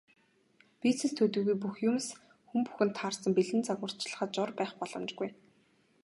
Бизнес төдийгүй бүх юмс, хүн бүхэнд таарсан бэлэн зааварчилгаа, жор байх боломжгүй.